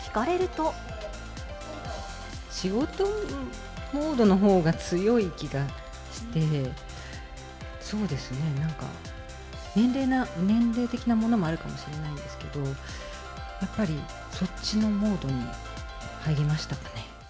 仕事モードのほうが強い気がして、そうですね、なんか、年齢的なものもあるかもしれないですけど、やっぱりそっちのモードに入りましたかね。